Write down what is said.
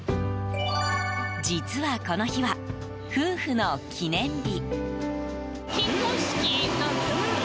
実はこの日は、夫婦の記念日。